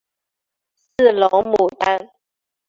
四棱牡丹